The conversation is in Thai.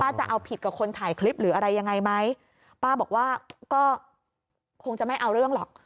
จะเอาผิดกับคนถ่ายคลิปหรืออะไรยังไงไหมป้าบอกว่าก็คงจะไม่เอาเรื่องหรอก